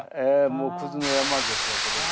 もうくずの山ですよこれ。